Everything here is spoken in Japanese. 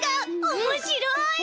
おもしろい！